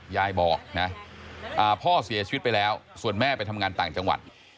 ยายบอกนะพ่อเสียชีวิตไปแล้วส่วนแม่ไปทำงานต่างจังหวัด